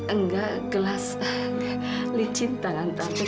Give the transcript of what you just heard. enggak gelas licin tangan tante